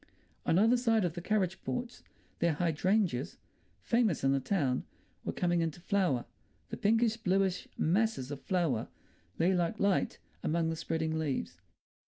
On either side of the carriage porch their hydrangeas—famous in the town—were coming into flower; the pinkish, bluish masses of flower lay like light among the spreading leaves.